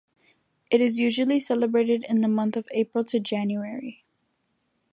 It is usually celebrated in the month of April to January.